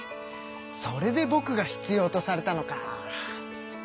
それでぼくが必要とされたのか。